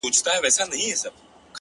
• په ټوله ورځ مي ایله وګټله وچه ډوډۍ ,